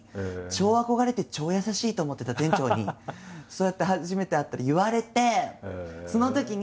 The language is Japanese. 超憧れて超優しいと思ってた店長にそうやって初めて会ったら言われて。